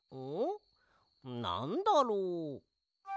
なんだろう？